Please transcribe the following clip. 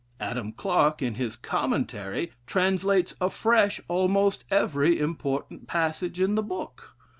Adam Clarke, in his 'Commentary,' translates afresh almost every important passage in the book.